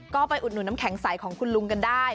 ก็ไปอุดหนุนน้ำแข็งใสของคุณลุงกันได้